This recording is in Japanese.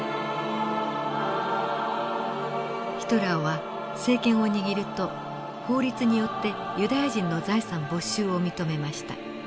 ヒトラーは政権を握ると法律によってユダヤ人の財産没収を認めました。